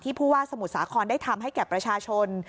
ผู้ว่าสมุทรสาครได้ทำให้แก่ประชาชน